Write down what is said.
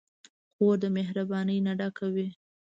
خور د مهربانۍ نه ډکه وي.